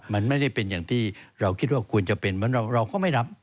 มันไม่ได้เป็นอย่างที่เราคิดว่าควรจะเป็นเหมือนเราก็ไม่รับ